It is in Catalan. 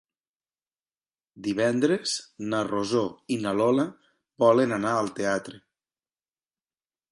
Divendres na Rosó i na Lola volen anar al teatre.